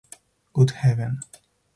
Good heaven!